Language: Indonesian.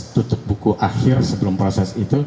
tutup buku akhir sebelum proses itu